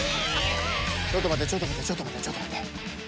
ちょっとまってちょっとまってちょっとまってちょっとまって。